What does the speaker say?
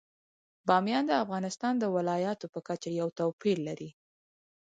بامیان د افغانستان د ولایاتو په کچه یو توپیر لري.